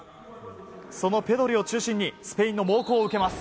そのペドリを中心にスペインの猛攻を受けます。